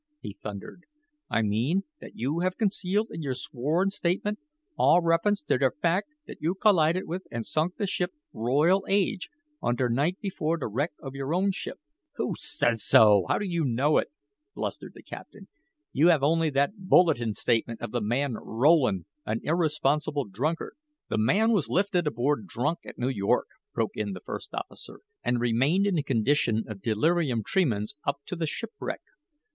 he thundered. "I mean that you have concealed in your sworn statement all reference to der fact that you collided with and sunk the ship Royal Age on der night before the wreck of your own ship." "Who says so how do you know it?" blustered the captain. "You have only that bulletin statement of the man Rowland an irresponsible drunkard." "The man was lifted aboard drunk at New York," broke in the first officer, "and remained in a condition of delirium tremens up to the shipwreck.